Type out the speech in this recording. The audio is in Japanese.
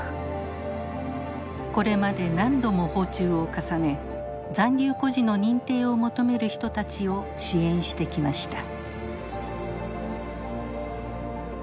これまで何度も訪中を重ね残留孤児の認定を求める人たちを支援してきました。